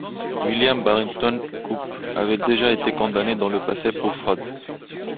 William Barrington-Coupe avait déjà été condamné dans le passé pour fraude.